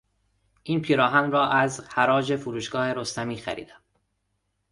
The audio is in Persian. این پیراهن را از حراج فروشگاه رستمی خریدم.